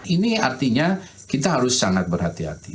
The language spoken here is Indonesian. ini artinya kita harus sangat berhati hati